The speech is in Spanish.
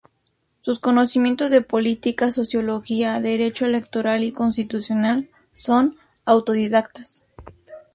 Sus conocimientos de política, sociología, derecho electoral y constitucional, son autodidactas.